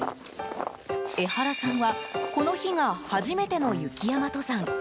江原さんはこの日が初めての雪山登山。